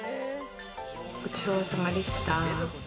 ごちそうさまでした。